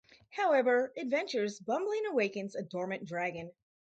However, Adventure's bumbling awakens a dormant dragon.